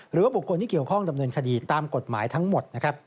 หรือว่าบุคคลที่เกี่ยวข้องดำเนินคดีตามกฎหมายทั้งหมดนะครับ